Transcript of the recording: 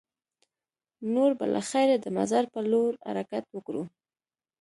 نور به له خیره د مزار په لور حرکت وکړو.